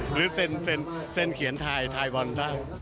หรือเส้นเขียนไทยบอลได้